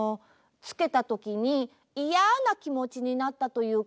つけたときにいやなきもちになったというか。